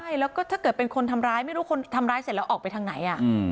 ใช่แล้วก็ถ้าเกิดเป็นคนทำร้ายไม่รู้คนทำร้ายเสร็จแล้วออกไปทางไหน